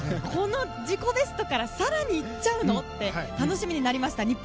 この自己ベストから更に行っちゃうの？って楽しみになりました。